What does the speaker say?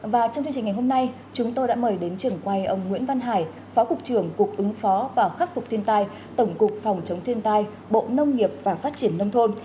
và trong chương trình ngày hôm nay chúng tôi đã mời đến trường quay ông nguyễn văn hải phó cục trưởng cục ứng phó và khắc phục thiên tai tổng cục phòng chống thiên tai bộ nông nghiệp và phát triển nông thôn